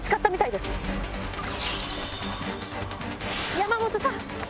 山本さん！